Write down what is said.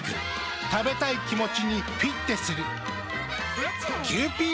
食べたい気持ちにフィッテする。